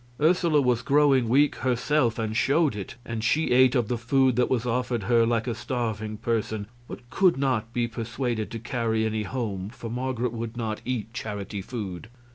Ursula was growing weak herself, and showed it; and she ate of the food that was offered her like a starving person, but could not be persuaded to carry any home, for Marget would not eat charity food.